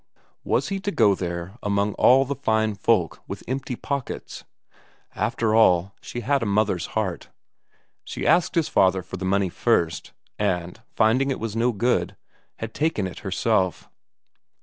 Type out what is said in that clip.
Was he to go there among all the fine folk and with empty pockets? After all, she had a mother's heart. She asked his father for the money first, and, finding it was no good, had taken it herself.